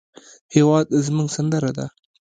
هېواد زموږ سندره ده